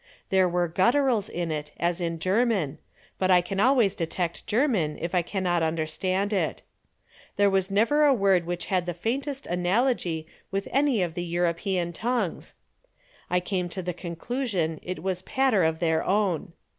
There were gutturals in it as in German, but I can always detect German if I cannot understand it. There was never a word which had the faintest analogy with any of the European tongues. I came to the conclusion it was a patter of their own.